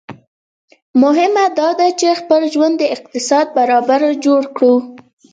مهمه داده چي خپل ژوند د اقتصاد برابر جوړ کړو